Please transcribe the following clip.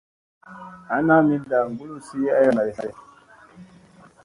Ana minda kuluzi ayara ɗi.